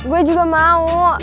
gue juga mau